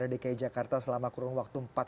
dekade dekade jakarta selama kurung waktu empat